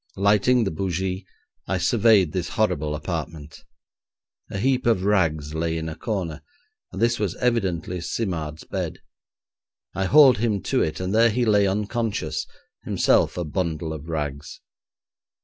Lighting the bougie, I surveyed the horrible apartment. A heap of rags lay in a corner, and this was evidently Simard's bed. I hauled him to it, and there he lay unconscious, himself a bundle of rags.